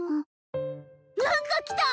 何か来た！